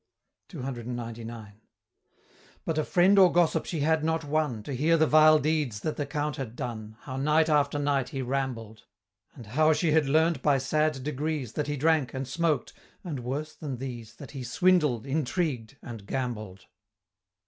CCXCIX. But a friend or gossip she had not one To hear the vile deeds that the Count had done, How night after night he rambled; And how she had learn'd by sad degrees That he drank, and smoked, and worse than these, That he "swindled, intrigued, and gambled."